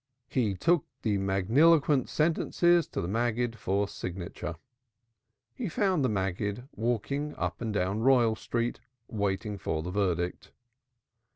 He took the magniloquent sentences to the Maggid for signature. He found the Maggid walking up and down Royal Street waiting for the verdict.